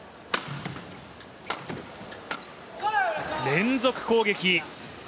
連続攻撃。